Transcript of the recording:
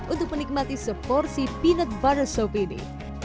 untuk menikmati seporsi peanut butter soup ini